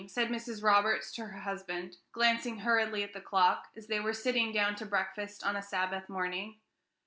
said Mrs. Roberts to her husband, glancing hurriedly at the clock, as they were sitting down to breakfast on a Sabbath morning.